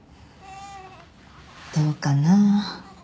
どうかな。